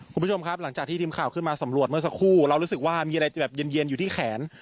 คุณผู้ชมครับหลังจากที่ทีมข่าวขึ้นมาสำรวจเมื่อสักครู่เรารู้สึกว่ามีอะไรแบบเย็นอยู่ที่แขน